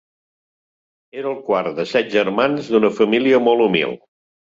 Era el quart de set germans d'una família molt humil.